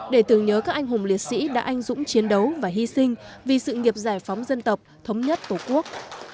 để tưởng nhớ các anh hùng liệt sĩ đã anh dũng chiến đấu và hy sinh vì sự nghiệp giải phóng dân tộc thống nhất tổ quốc